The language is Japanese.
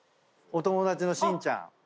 「お友達のしんちゃん」